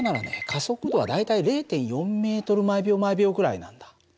加速度は大体０．４ｍ／ｓぐらいなんだ。